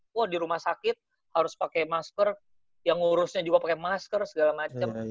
wah di rumah sakit harus pakai masker yang ngurusnya juga pakai masker segala macam